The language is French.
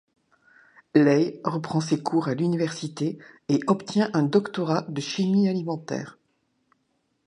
Ley reprend ses cours à l'université et obtient un doctorat de chimie alimentaire.